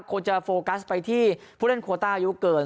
ควรจะโฟกัสไปที่ผู้เล่นโคต้าอายุเกิน